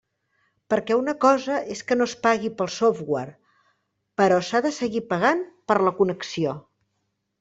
Perquè una cosa és que no es pagui pel software, però s'ha de seguir pagant per la connexió.